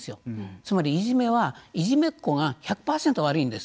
つまりいじめはいじめっこが１００％悪いんです。